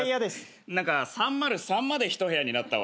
何か３０３まで一部屋になったわ。